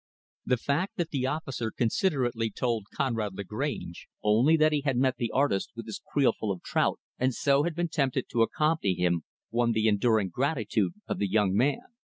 The fact that the officer considerately told Conrad Lagrange only that he had met the artist with his creel full of trout, and so had been tempted to accompany him, won the enduring gratitude of the young man.